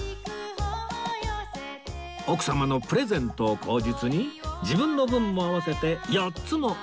奥様のプレゼントを口実に自分の分も合わせて４つもお買い上げ！